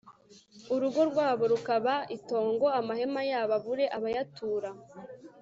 urugo rwabo rurakaba itong, amahema yabo abure abayatura